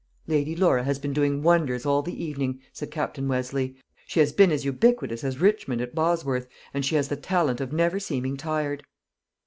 "Lady Laura has been doing wonders all the evening," said Captain Westleigh. "She has been as ubiquitous as Richmond at Bosworth, and she has the talent of never seeming tired."